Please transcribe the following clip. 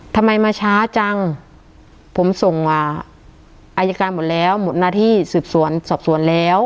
ทำไมมาช้าจังผมส่งมาอายการหมดแล้วหมดหน้าที่สืบสวนสอบสวนแล้ว